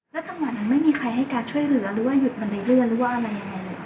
จังหวะนั้นไม่มีใครให้การช่วยเหลือหรือว่าหยุดมาในเลือดหรือว่าอะไรยังไง